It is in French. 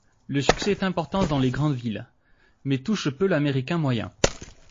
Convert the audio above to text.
Le succès est important dans les grandes villes, mais touche peu l'Américain moyen.